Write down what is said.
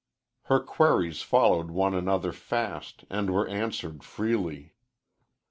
Her queries followed one another fast and were answered freely.